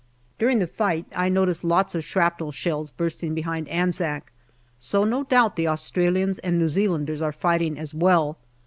During the fight I notice lots of shrapnel shells bursting behind Anzac, so no doubt the Australians and New Zealanders are fighting as well.